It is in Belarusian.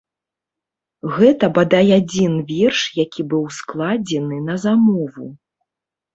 Гэта бадай адзін верш, які быў складзены на замову.